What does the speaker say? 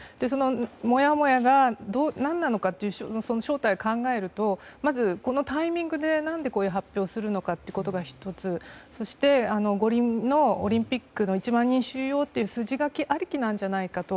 もやもやが何なのかという正体を考えるとまず、このタイミングで何でこういう発表をするのかということが１つそして、オリンピックの１万人収容という筋書きありきなんじゃないかと。